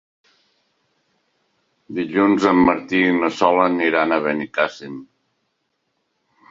Dilluns en Martí i na Sol aniran a Benicàssim.